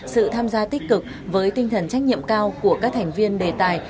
sự tham gia tích cực với tinh thần trách nhiệm cao của các thành viên đề tài